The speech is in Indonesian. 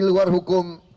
di luar tps